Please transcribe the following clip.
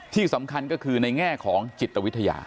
ที่สำคัญก็คือในแง่ของจิตวิทยา